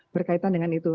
berkaitan dengan itu